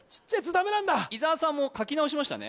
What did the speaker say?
ダメなんだ伊沢さんも書き直しましたね